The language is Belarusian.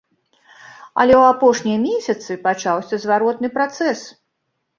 Але ў апошнія месяцы пачаўся зваротны працэс.